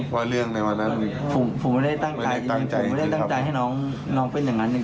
ผมไม่ได้ตั้งใจให้น้องเป็นอย่างนั้นจริง